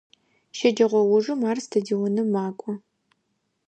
Щэджэгъоужым ар стадионым макӏо.